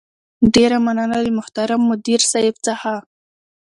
ډېره مننه له محترم مدير صيب څخه